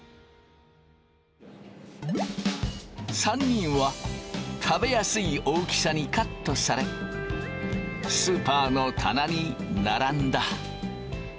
３人は食べやすい大きさにカットされスーパーの棚に並んだ。